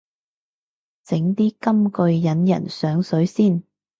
整啲金句引人上水先